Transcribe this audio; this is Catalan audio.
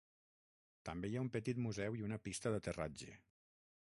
També hi ha un petit museu i una pista d'aterratge.